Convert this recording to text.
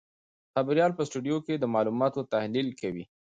خبریال په سټوډیو کې د معلوماتو تحلیل کوي.